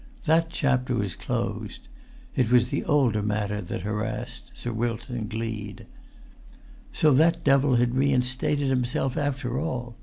That chapter was closed. It was the older matter that harassed Sir Wilton Gleed. So that devil had reinstated himself after all!